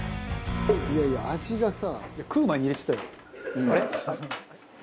「いやいや味がさ」